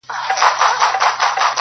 ستا انګور انګور کتو مست و مدهوش کړم,